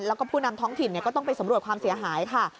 แล้วก็ผู้นำท้องถิ่นก็ต้องไปสำรวจความเสียหายค่ะ